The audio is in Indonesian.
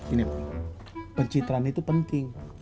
ini pencitran itu penting